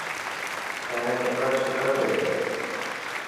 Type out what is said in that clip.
تايان ڪپڙا ڇوٽا ٿي گيا.